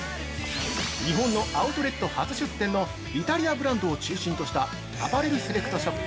日本のアウトレット初出店のイタリアブランドを中心としたアパレルセレクトショップ